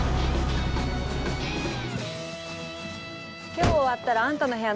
今日終わったらあんたの部屋